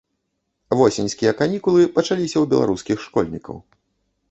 Восеньскія канікулы пачаліся ў беларускіх школьнікаў.